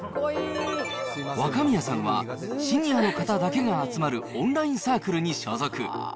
若宮さんは、シニアの方だけが集まるオンラインサークルに所属。